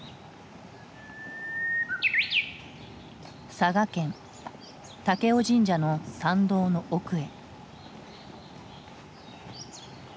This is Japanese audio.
佐賀県武雄神社の参道の奥へ。